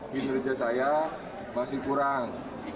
kinerja saya masih kurang